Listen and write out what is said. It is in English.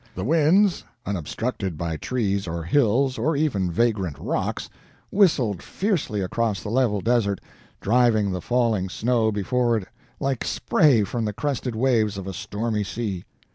The winds, unobstructed by trees or hills, or even vagrant rocks, whistled fiercely across the level desert, driving the falling snow before it like spray from the crested waves of a stormy sea.